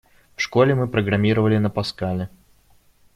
В школе мы программировали на Паскале.